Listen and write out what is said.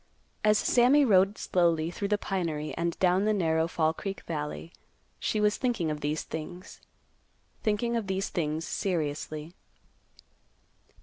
As Sammy rode slowly through the pinery and down the narrow Fall Creek valley, she was thinking of these things, thinking of these things seriously.